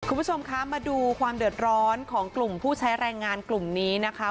คุณผู้ชมคะมาดูความเดือดร้อนของกลุ่มผู้ใช้แรงงานกลุ่มนี้นะคะ